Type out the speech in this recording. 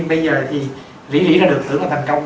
bây giờ thì rỉ rỉ ra được tưởng là thành công